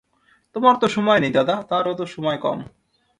তোমার তো সময় নেই দাদা, তাঁরও তো সময় কম।